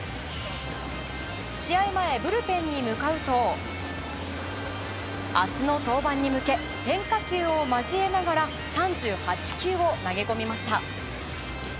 試合前、ブルペンに向かうと明日の登板に向け変化球を交えながら３８球を投げ込みました。